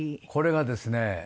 これがですね